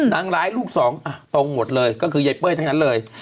นางร้ายลูกสองอ่ะตรงหมดเลยก็คือยายเป้ยทั้งนั้นเลย